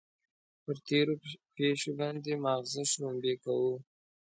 پر تېرو پېښو باندې ماغزه شړومبې کوو.